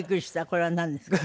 これはなんですか？